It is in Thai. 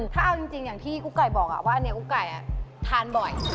ถ้าเอาจริงอย่างที่กุ๊กไก่บอกว่าอันนี้กุ๊กไก่ทานบ่อย